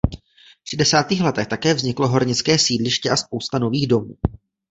V šedesátých letech také vzniklo hornické sídliště a spousta nových domů.